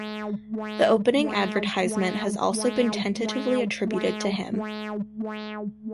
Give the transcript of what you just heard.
The opening Advertisement has also been tentatively attributed to him.